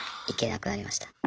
行けなくなりました。